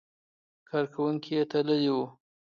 کارکوونکي یې تللي وو.